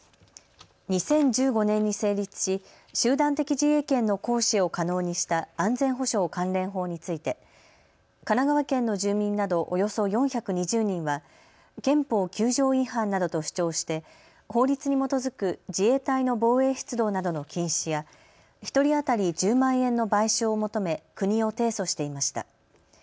２０１５年に成立し集団的自衛権の行使を可能にした安全保障関連法について神奈川県の住民などおよそ４２０人は憲法９条違反などと主張して法律に基づく自衛隊の防衛出動などの禁止や１人当たり１０万円の賠償を求め国を提訴していました。